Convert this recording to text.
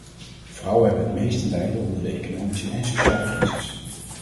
Vrouwen hebben het meest te lijden onder de economische en sociale crisis.